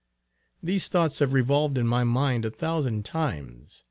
These thoughts have revolved in my mind a thousand times.